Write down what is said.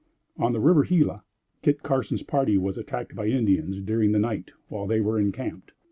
On the river Gila, Kit Carson's party was attacked by Indians during the night, while they were encamped.